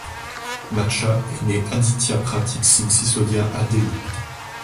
Badshah est né Aditya Prateek Singh Sisodia à Delhi.